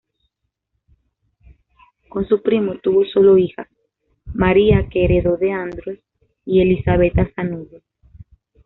Con su primo tuvo sólo hijas: María, que heredó de Andros, y Elisabetta Sanudo.